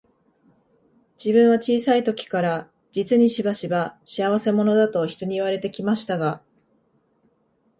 自分は小さい時から、実にしばしば、仕合せ者だと人に言われて来ましたが、